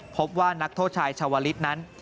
พบว่านักโทษชายชาวลิศนั้น